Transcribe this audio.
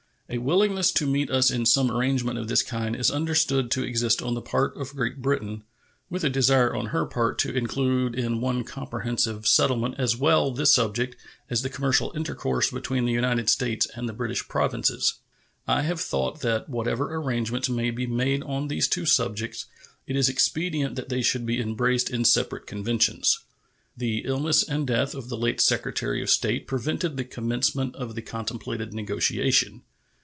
A willingness to meet us in some arrangement of this kind is understood to exist on the part of Great Britain, with a desire on her part to include in one comprehensive settlement as well this subject as the commercial intercourse between the United States and the British Provinces. I have thought that, whatever arrangements may be made on these two subjects, it is expedient that they should be embraced in separate conventions. The illness and death of the late Secretary of State prevented the commencement of the contemplated negotiation.